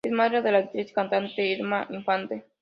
Es madre de la actriz y cantante Irma Infante.